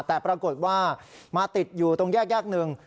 แต่ปรากฏว่ามาติดอยู่ตรงแยกหนึ่ง